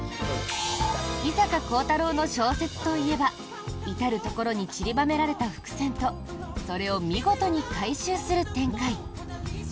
伊坂幸太郎の小説といえば至るところにちりばめられた伏線とそれを見事に回収する展開。